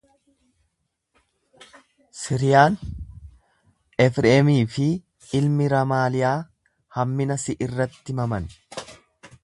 Siriyaan, Efreemii fi ilmi Ramaaliyaa hammina si irratti maman.